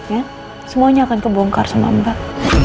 ya semuanya akan kebongkar sama mbak